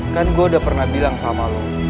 kan gue udah pernah bilang sama lo